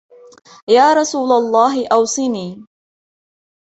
يَا رَسُولَ اللَّهِ أَوْصِنِي